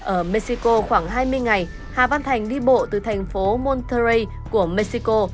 ở mexico khoảng hai mươi ngày hà văn thành đi bộ từ thành phố montrey của mexico